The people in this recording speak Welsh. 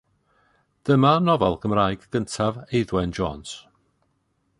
Dyma nofel Gymraeg gyntaf Eiddwen Jones.